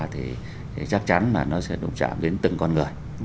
thì chắc chắn là nó sẽ đụng chạm đến từng con người